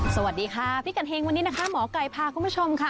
สวัสดีค่ะพี่กัดเฮงวันนี้นะคะหมอไก่พาคุณผู้ชมค่ะ